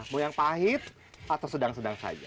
mau yang pahit atau sedang sedang saja